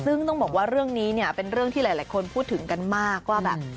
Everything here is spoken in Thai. ซึ่งต้องบอกว่าเรื่องนี้เนี่ยเป็นเรื่องที่หลายคนพูดถึงกันมากว่าแบบ